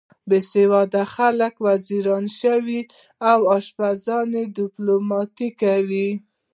بې سواده خلک وزیران شول او اشپزانو دیپلوماتۍ وکړه.